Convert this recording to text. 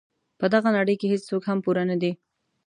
په دغه نړۍ کې هیڅوک هم پوره نه دي.